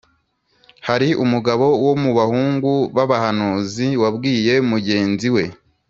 Hariho umugabo wo mu bahungu b’abahanuzi wabwiye mugenzi we